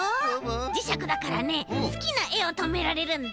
じしゃくだからねすきなえをとめられるんだ。